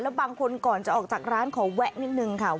บางคนก่อนจะออกจากร้านขอแวะนิดนึงค่ะ